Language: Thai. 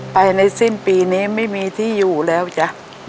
ไปในสิ้นปีนี้ไม่มีที่อยู่แล้วจ้ะ